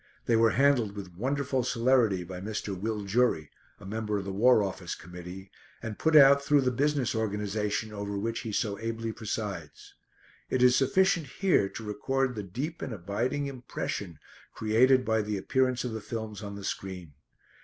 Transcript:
They were handled with wonderful celerity by Mr. Will Jury, a member of the War Office Committee, and put out through the business organisation over which he so ably presides. It is sufficient here to record the deep and abiding impression created by the appearance of the films on the screen.